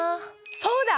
そうだ！